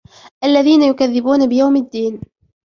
الَّذِينَ يُكَذِّبُونَ بِيَوْمِ الدِّينِ